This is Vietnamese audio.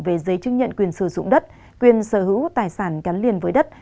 về giấy chứng nhận quyền sử dụng đất quyền sở hữu tài sản gắn liền với đất